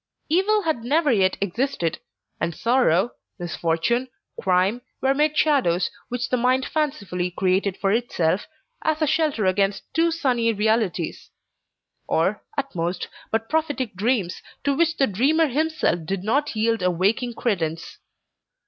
Evil had never yet existed; and sorrow, misfortune, crime, were mere shadows which the mind fancifully created for itself, as a shelter against too sunny realities; or, at most, but prophetic dreams to which the dreamer himself did not yield a waking credence.